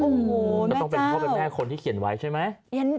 โอ้โหก็ต้องเป็นพ่อเป็นแม่คนที่เขียนไว้ใช่ไหม